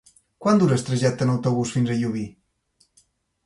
Quant dura el trajecte en autobús fins a Llubí?